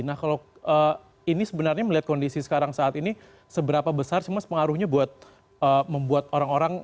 nah kalau ini sebenarnya melihat kondisi sekarang saat ini seberapa besar sih mas pengaruhnya buat membuat orang orang